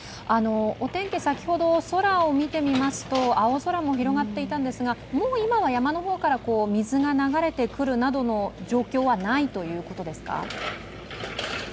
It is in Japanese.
お天気、先ほど空を見てみますと青空も広がっていたんですが、もう今は山の方から水が流れてくるなどの状況はないということですか？